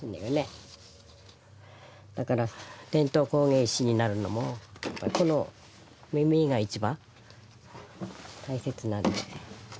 だから伝統工芸士になるのもこのみみが一番大切なんで。